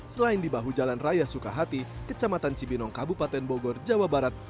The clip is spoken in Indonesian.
selain di bahu jalan raya sukahati kecamatan cibinong kabupaten bogor jawa barat